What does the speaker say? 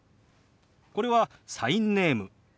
これはサインネーム。